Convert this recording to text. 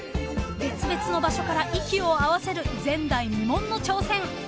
別々の場所から息を合わせる前代未聞の挑戦。